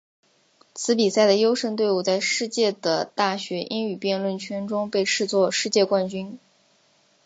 此比赛的优胜队伍在世界的大学英语辩论圈中被视作世界冠军。